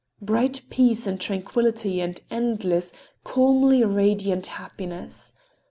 Bright peace and tranquillity and endless, calmly radiant happiness!